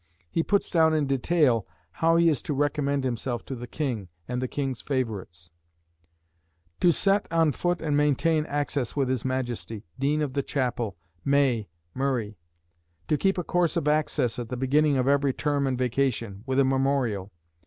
He puts down in detail how he is to recommend himself to the King and the King's favourites "To set on foot and maintain access with his Majesty, Dean of the Chapel, May, Murray. Keeping a course of access at the beginning of every term and vacation, with a memorial.